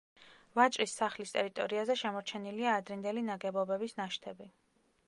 ვაჭრის სახლის ტერიტორიაზე შემორჩენილია ადრინდელი ნაგებობების ნაშთები.